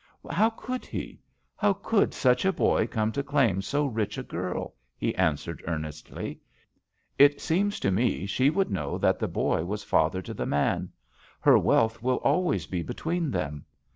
"How could he? How could such a boy come to claim so rich a girl?" he answered earnestly. "It seems to me she would know that the boy was father to the man. Her wealth will always be between them.